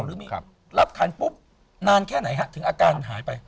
หรือมีรับขันปุ๊บนานแค่ไหนฮะถึงอาการหายไป